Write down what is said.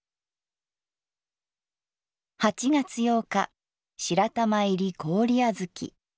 ８月８日「白玉入り氷あづき」。